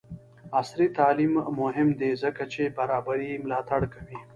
عصري تعلیم مهم دی ځکه چې برابري ملاتړ کوي.